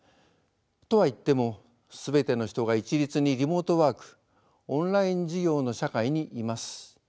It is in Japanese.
とはいっても全ての人が一律にリモートワークオンライン授業の社会にいます。